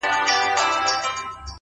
• چي عزت ساتلای نه سي د بګړیو ,